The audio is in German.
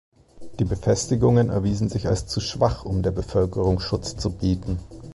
Die Befestigungen erwiesen sich als zu schwach, um der Bevölkerung Schutz zu bieten.